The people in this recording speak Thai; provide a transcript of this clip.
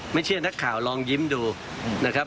ไม่เชื่อนักข่าวลองยิ้มดูนะครับ